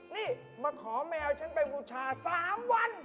นี่มาขอแมวฉันไปบูชา๓วัน